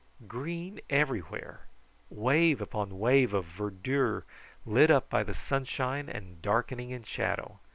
Green everywhere, wave upon wave of verdure lit up by the sunshine and darkening in shadow.